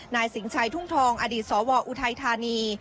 นายสิงชัยทุ่งทองอดีตสวอุทัยธานี